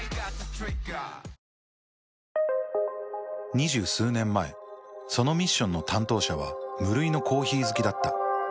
２０数年前そのミッションの担当者は無類のコーヒー好きだった。